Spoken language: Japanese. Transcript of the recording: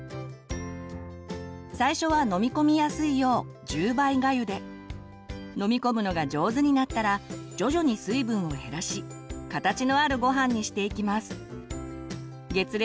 最初は飲み込みやすいよう１０倍がゆで飲み込むのが上手になったら徐々に水分を減らし形のあるごはんにしていきます。